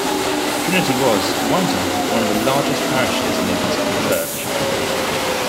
Trinity was, at one time, one of the largest parishes in the Episcopal Church.